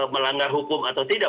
melanggar hukum atau tidak